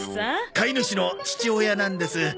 飼い主の父親なんです。